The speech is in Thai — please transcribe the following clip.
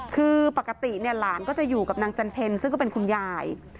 คือปกติเนี่ยหลานก็จะอยู่กับนางจันเพลซึ่งก็เป็นคุณยาย